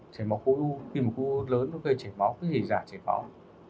chảy máu khối u khi mà khối u lớn nó gây chảy máu cái gì giả chảy máu